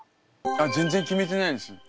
あっ全然決めてないです。